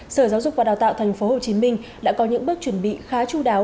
sở giáo dục và đào tạo thành phố hồ chí minh đã có những bước chuẩn bị khá chú đáo